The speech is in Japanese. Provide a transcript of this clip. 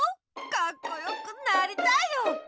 カッコよくなりたいよ！